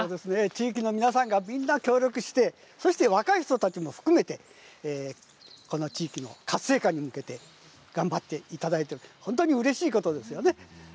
地域の皆さんがみんな協力して若い人たちも含めて地域活性化に向けて頑張っていただいて本当にうれしいことですよね。